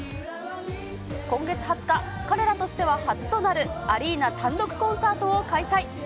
今月２０日、彼らとしては初となるアリーナ単独コンサートを開催。